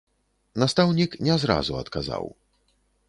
Настаўнік не зразу адказаў.